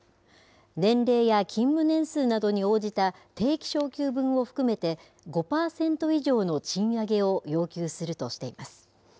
年齢や勤務年数などに応じた定期昇給分を含めて５％以上の賃上げを要求するとしています。